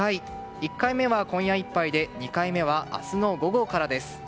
１回目は今夜いっぱいで２回目は明日の午後からです。